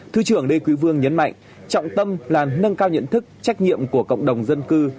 thứ trưởng lê quý vương nhấn mạnh trọng tâm là nâng cao nhận thức trách nhiệm của cộng đồng dân cư